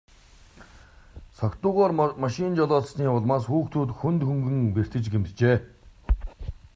Согтуугаар машин жолоодсоны улмаас хүүхдүүд хүнд хөнгөн бэртэж гэмтжээ.